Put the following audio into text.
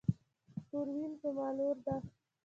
پروین زما لور ده.